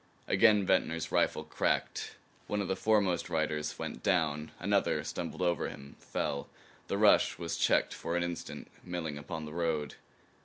Again Ventnor's rifle cracked. One of the foremost riders went down; another stumbled over him, fell. The rush was checked for an instant, milling upon the road.